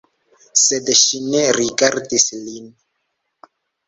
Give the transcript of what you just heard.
Sed ŝi ne rigardis lin.